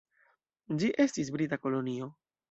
Ĝi estis brita kolonio.